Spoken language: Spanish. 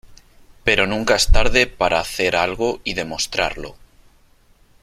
pero nunca es tarde para hacer algo y demostrarlo .